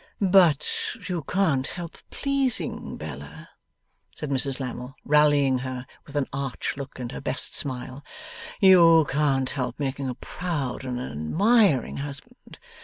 'But you can't help pleasing, Bella,' said Mrs Lammle, rallying her with an arch look and her best smile, 'you can't help making a proud and an admiring husband.